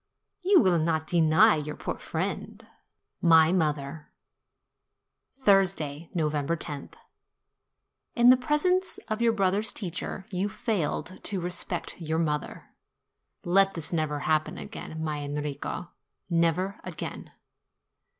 You will not deny your poor friend?'' MY MOTHER Thursday, November loth. In the presence of your brother's teacher you failed in respect to your mother ! Let this never happen again, my Enrico, never again